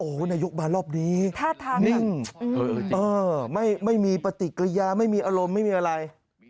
โอ้โหนายกมารอบนี้ท่าทางนิ่งไม่มีปฏิกิริยาไม่มีอารมณ์ไม่มีอะไร